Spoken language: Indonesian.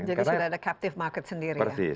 jadi sudah ada captive market sendiri